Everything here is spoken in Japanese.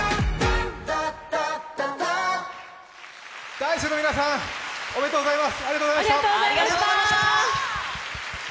Ｄａ−ｉＣＥの皆さんおめでとうございます！